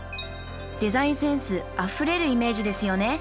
デザインセンスあふれるイメージですよね。